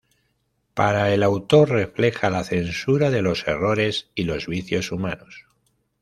Para el autor refleja "La censura de los errores y los vicios humanos.